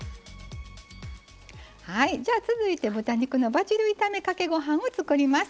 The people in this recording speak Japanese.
続いて豚肉のバジル炒めかけご飯を作ります。